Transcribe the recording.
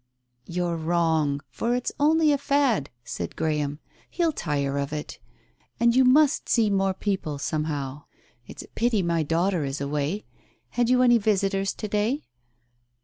..." "You're wrong. For it's only a fad," said Graham, "he'll tire of it. And you must see more people some how. It's a pity my daughter is away. Had you any visitors to day